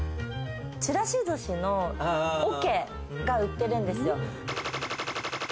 ちらしずしの桶が売ってるんですよ。